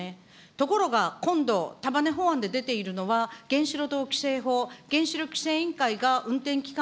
ところが今度、法案で出ているのは、原子炉等規制法、原子力規制委員会会が運転期間